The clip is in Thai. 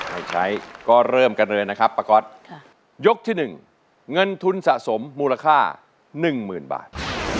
ใช้ก็เริ่มกันเลยนะครับป้าก๊อตยกที่๑เงินทุนสะสมมูลค่า๑๐๐๐บาท